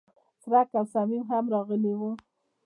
څرک او صمیم هم راغلي و.